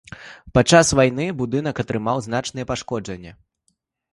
Падчас вайны будынак атрымаў значныя пашкоджанні.